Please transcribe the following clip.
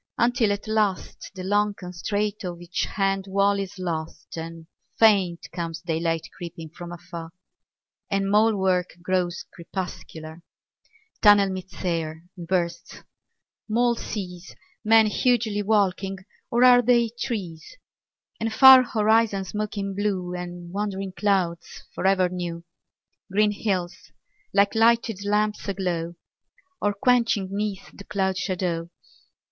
Until at last the long constraint Of each hand wall is lost, and faint Comes daylight creeping from afar ; And mole work grows crepuscular. Tunnel meets air and bursts ; mole sees Men hugely walking ... or are they trees? And far horizons smoking blue And wandering clouds for ever new ; Green hills, like lighted lamps aglow Or quenching 'neath the cloud shadow.